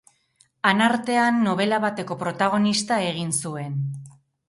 Anartean, nobela bateko protagonista egin zuen.